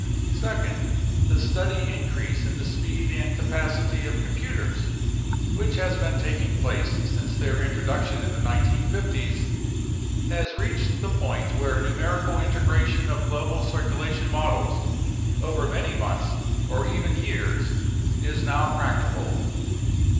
Second, the steady increase in the speed and capacity of computers, which has been taking place since their introduction in the 1950's, has 66 UNDERSTANDING CLIMATIC CHANGE reached the point where numerical integration of global circulation models over many months or even years is now practical.